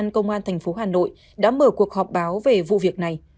công an thành phố hà nội đã mở cuộc họp báo về vụ việc này